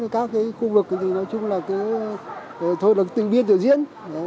các khu vực thì nói chung là thôi là tự biên tự diễn